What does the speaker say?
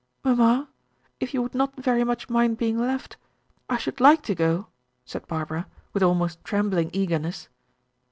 "Mamma if you would not very much mind being left, I should like to go," said Barbara, with almost trembling eagerness.